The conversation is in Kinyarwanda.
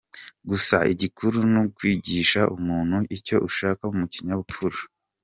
Gusa igikuru nukwigisha umuntu icyo ushaka mu kinyabupfura.